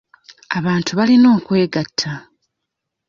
Abantu balina okwegatta.